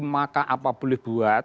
maka apa boleh buat